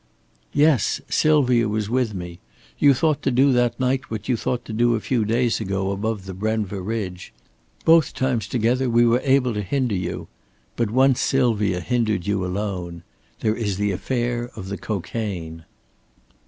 "Yes. Sylvia was with me. You thought to do that night what you thought to do a few days ago above the Brenva ridge. Both times together we were able to hinder you. But once Sylvia hindered you alone. There is the affair of the cocaine."